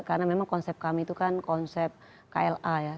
karena memang konsep kami itu kan konsep kla ya